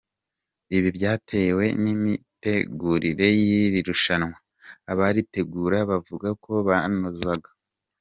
Ibi byatewe n’imitegurire y’iri rushanwa, abaritegura bavuga ko banozaga.